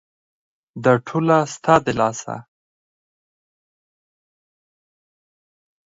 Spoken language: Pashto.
دا ټوله ستا د لاسه !